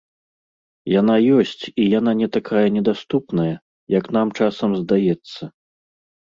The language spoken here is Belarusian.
Яна ёсць і яна не такая недаступная, як нам часам здаецца.